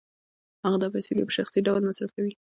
هغه دا پیسې بیا په شخصي ډول مصرفوي